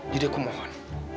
jadi aku mohon